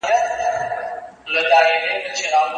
د مېړنیو د سنګر مېنه ده